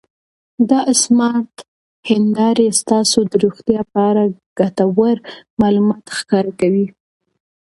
دا سمارټ هېندارې ستاسو د روغتیا په اړه ګټور معلومات ښکاره کوي.